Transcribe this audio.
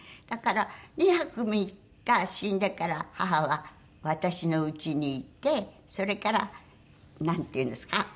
だから２泊３日死んでから母は私の家にいてそれからなんていうんですか？